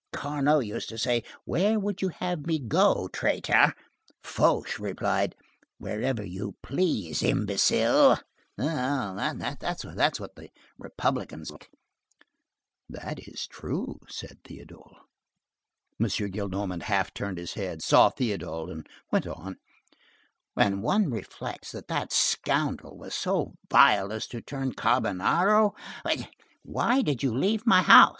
Carnot used to say: 'Where would you have me go, traitor?' Fouché replied: 'Wherever you please, imbecile!' That's what the Republicans are like." "That is true," said Théodule. M. Gillenormand half turned his head, saw Théodule, and went on:— "When one reflects that that scoundrel was so vile as to turn carbonaro! Why did you leave my house?